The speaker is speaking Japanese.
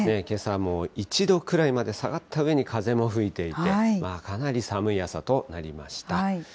けさも１度くらいまで下がったうえに風も吹いていて、かなり寒い朝となりました。